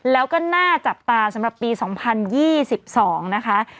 แล้วก็น่าจับตาสำหรับปี๒๐๒๒นะคะ